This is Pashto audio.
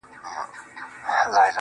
حقيقت د سور تر شا ورک پاتې کيږي تل.